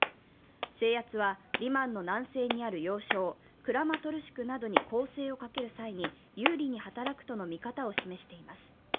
制圧はリマンの南西にある要衝、クラマトルシクなどに攻勢をかける際に有利に働くとの見方を示しています。